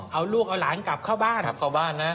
เอาลูกเอ่อหลานกลับเข้าบ้าน